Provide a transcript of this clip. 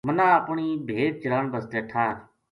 منا اپنی بھیڈ چران بسطے ٹھار